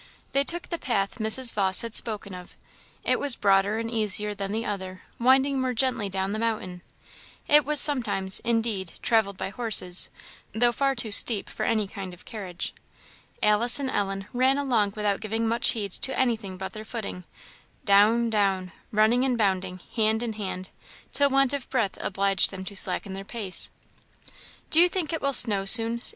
They took the path Mrs. Vawse had spoken of; it was broader and easier than the other, winding more gently down the mountain; it was sometimes, indeed, travelled by horses, though far too steep for any kind of carriage. Alice and Ellen ran along without giving much heed to anything but their footing down, down running and bounding, hand in hand, till want of breath obliged them to slacken their pace. "Do you think it will snow soon?"